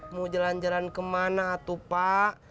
mau jalan jalan ke mana pak